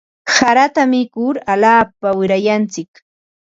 Harata mikur alaapa wirayantsik.